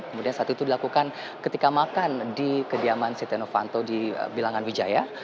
kemudian saat itu dilakukan ketika makan di kediaman setia novanto di bilangan wijaya